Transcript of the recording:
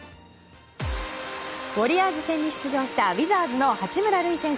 ウォリアーズ戦に出場したウィザーズの八村塁選手。